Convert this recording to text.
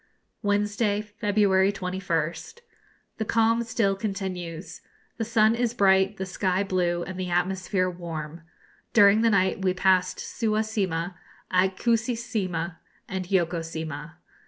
Wednesday, February 21st. The calm still continues. The sun is bright, the sky blue, and the atmosphere warm. During the night we passed Suwa Sima, Akuisi Sima, and Yoko Sima.